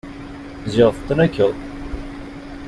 Ziɣ tetnakeḍ!